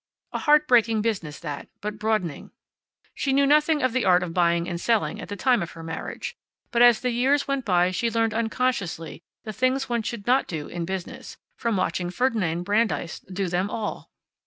A heart breaking business, that, but broadening. She knew nothing of the art of buying and selling at the time of her marriage, but as the years went by she learned unconsciously the things one should not do in business, from watching Ferdinand Brandeis do them all.